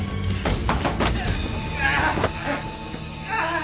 ああ！